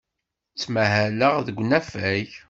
Ttmahaleɣ deg unafag.